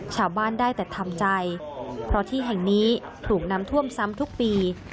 ชาวบ้านได้แต่ทำใจเพราะที่แห่งนี้ถูกน้ำท่วมซ้ำทุกปี